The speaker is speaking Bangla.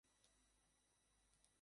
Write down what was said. সুরমা এমন করিয়া কখন কাঁদে নাই।